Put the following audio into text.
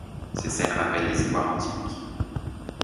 Ces scènes rappellent les ivoires antiques.